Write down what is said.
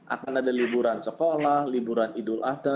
akan ada liburan sekolah liburan idul adha